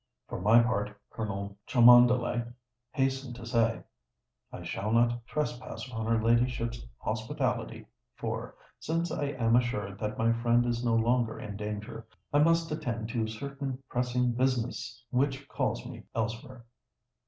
"For my part," Colonel Cholmondeley hastened to say, "I shall not trespass upon her ladyship's hospitality; for—since I am assured that my friend is no longer in danger—I must attend to certain pressing business which calls me elsewhere."